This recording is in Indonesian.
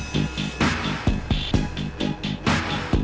makanya gak ada apa apa